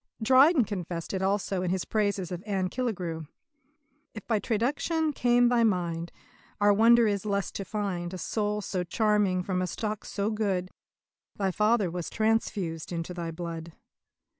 Dryden confessed it also in his praises of Anne Killigrew: "If by traduction came thy mind, Our wonder is the less to find A soul so charming from a stock so good. Thy father was transfused into thy blood."